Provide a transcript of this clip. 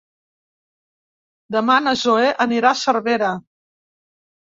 Demà na Zoè anirà a Cervera.